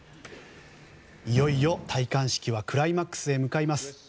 いよいよ戴冠式はクライマックスへ向かいます。